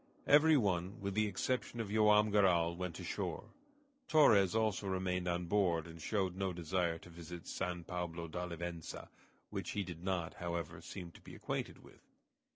Every one, with the exception of Joam Garral, went ashore. Torres also remained on board, and showed no desire to visit San Pablo d'Olivença, which he did not, however, seem to be acquainted with.